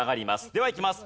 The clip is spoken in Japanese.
ではいきます。